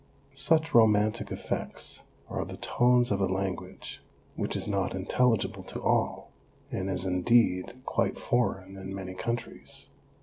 Such romantic effects arc the tones of a language which 126 OBERMANN is not intelligible to all, and is indeed quite foreign in many countries.